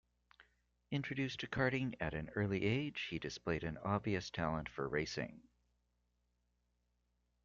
Introduced to karting at an early age, he displayed an obvious talent for racing.